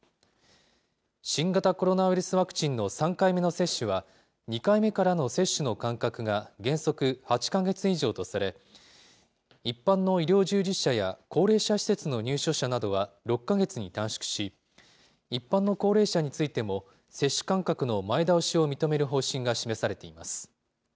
新型コロナウイルスワクチンの３回目の接種は、２回目からの接種の間隔が原則８か月以上とされ、一般の医療従事者や高齢者施設の入所者などは６か月に短縮し、一般の高齢者についても、接種間隔の前倒しを認める方針が示されています。